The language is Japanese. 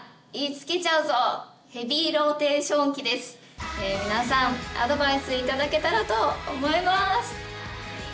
まさに皆さんアドバイス頂けたらと思います。